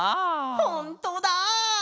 ほんとだ！